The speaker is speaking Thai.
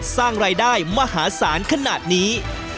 สร้างรายได้มหาศาลขนาดนี้